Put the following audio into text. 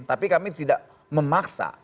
tapi kami tidak memaksa